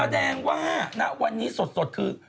แสดงว่าณวันนี้สดคือ